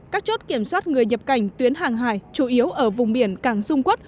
các chốt kiểm soát người nhập cảnh tuyến hàng hải chủ yếu ở vùng biển cảng dung quốc